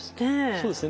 そうですね。